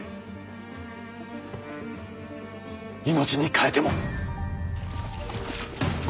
命に代えても。